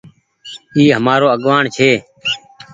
اي همآر آگوآڻ ڇي۔